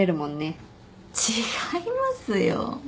違いますよ。